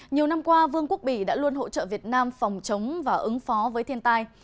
nhiều năm qua vương quốc bỉ đã luôn hỗ trợ việt nam phòng chống và ứng phó với thiên tai